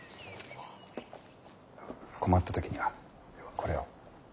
困った時にはこれを。